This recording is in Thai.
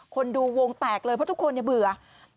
คนดูวงแตกเลยเพราะทุกคนเบื่อ